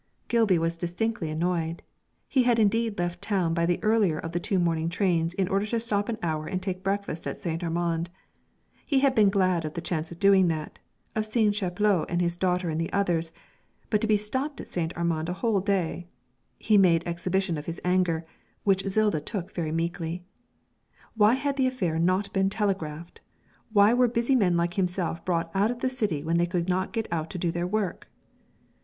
Gilby was distinctly annoyed; he had indeed left town by the earlier of the two morning trains in order to stop an hour and take breakfast at St. Armand; he had been glad of the chance of doing that, of seeing Chaplot and his daughter and the others; but to be stopped at St. Armand a whole day he made exhibition of his anger, which Zilda took very meekly. Why had the affair not been telegraphed? Why were busy men like himself brought out of the city when they could not get on to do their work?